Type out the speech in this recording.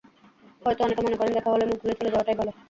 হয়তো অনেকে মনে করেন দেখা হলে মুখ ঘুরিয়ে চলে যাওয়াটাই ভালো।